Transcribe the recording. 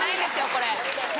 これ。